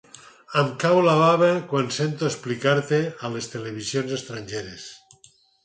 Em cau la bava quan sento explicar-te a les televisions estrangeres.